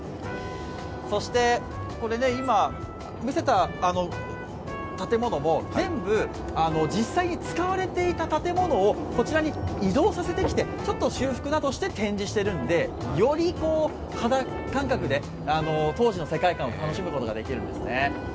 そして、今、見てた建物も全部実際に使われていた建物をこちらに移動させてきてちょっと修復などして展示しているので、より肌感覚で当時の世界観を楽しむことができるんですね。